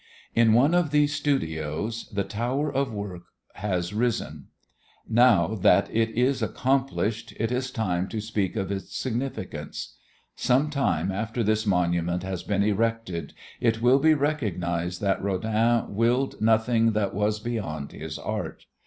In one of these studios "The Tower of Work" has risen. Now that it is accomplished, it is time to speak of its significance. Some time after this monument has been erected it will be recognized that Rodin willed nothing that was beyond his art.